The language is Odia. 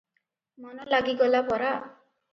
ମନ ଲାଗିଗଲା ପରା ।